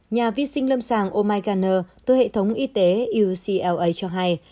nhà vi sinh lâm sàng omicron từ hệ thống y tế ucla cho hay